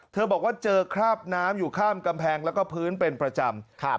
บอกว่าเจอคราบน้ำอยู่ข้ามกำแพงแล้วก็พื้นเป็นประจำ